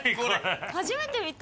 初めて見た。